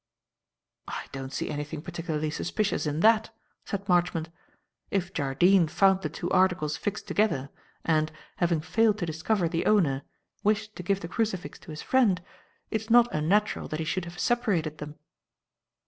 "I don't see anything particularly suspicious in that," said Marchmont. "If Jardine found the two articles fixed together, and having failed to discover the owner wished to give the crucifix to his friend, it is not unnatural that he should have separated them."